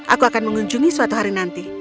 aku akan mengunjungi suatu hari nanti